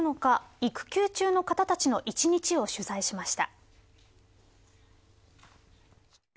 育休中の方たちの一日を取材しました。